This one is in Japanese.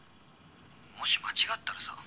もし間違ったらさ。